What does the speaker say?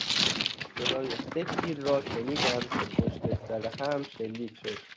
صدای سه تیر را شنیدم که پشت سرهم شلیک شد.